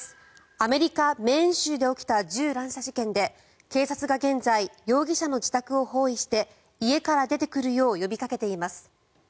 アメリカ・メーン州で起きた銃乱射事件で警察が現在容疑者の自宅を包囲して家から出てくるよう呼びかけています。